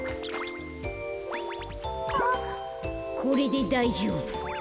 これでだいじょうぶ。